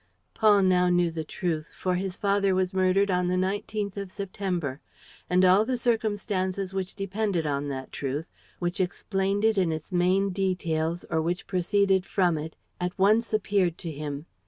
Paul now knew the truth, for his father was murdered on the 19th of September. And all the circumstances which depended on that truth, which explained it in its main details or which proceeded from it at once appeared to him.